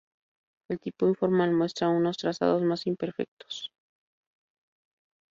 El tipo informal muestra unos trazados más imperfectos.